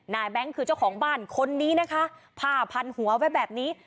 แบงค์คือเจ้าของบ้านคนนี้นะคะผ้าพันหัวไว้แบบนี้